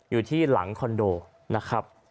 อยู่ที่หลังคอนโดนะครับ